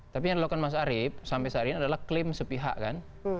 tapi yang dilakukan mas arief sampai saat ini adalah klaim sepihak kan